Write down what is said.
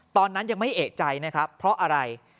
ตอนนั้นยังไม่เอกใจนะครับเพราะอะไร